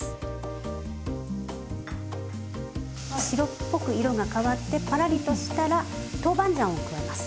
白っぽく色が変わってパラリとしたらトウバンジャンを加えます。